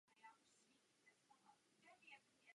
Zastupoval Prahu v zemské školní radě.